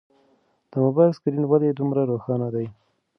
د موبایل سکرین ولې دومره روښانه دی؟